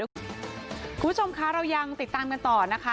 คุณผู้ชมคะเรายังติดตามกันต่อนะคะ